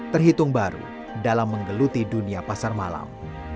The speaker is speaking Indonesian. terhitung baru dalam menggeluti dunia pasar malam